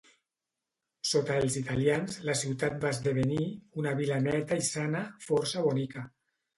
Sota els italians la ciutat va esdevenir una vila neta i sana, força bonica.